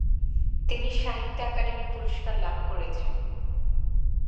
তিনি 'সাহিত্য একাডেমি পুরস্কার' লাভ করেছেন।